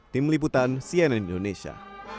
tim liputan cnn indonesia